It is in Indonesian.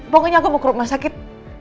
pokoknya aku mau ke rumah sakit